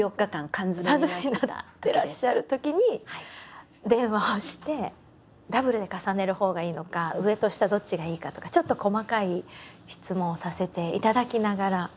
缶詰めになってらっしゃるときに電話をしてダブルで重ねるほうがいいのか上と下どっちがいいかとかちょっと細かい質問をさせていただきながら。